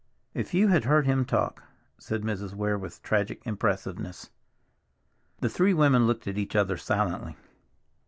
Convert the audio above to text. "If you had heard him talk—" said Mrs. Weir with tragic impressiveness. The three women looked at each other silently.